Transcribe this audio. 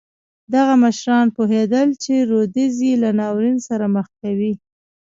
دغه مشران پوهېدل چې رودز یې له ناورین سره مخ کوي.